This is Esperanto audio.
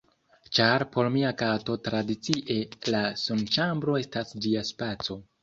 ĉar por mia kato tradicie la sunĉambro estas ĝia spaco.